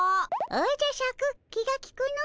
おじゃシャク気がきくの。